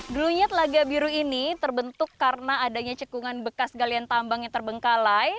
dulunya telaga biru ini terbentuk karena adanya cekungan bekas galian tambang yang terbengkalai